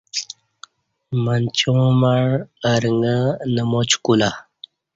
منچاں مع ارݣہ نماچ کولہ